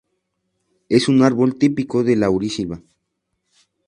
Es un árbol típico de laurisilva.